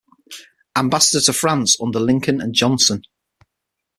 Ambassador to France under Lincoln and Johnson.